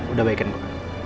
udah baikin gue